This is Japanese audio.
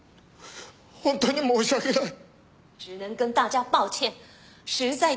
本当に申し訳ない！